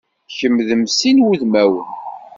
Kemm d mm sin wudmawen.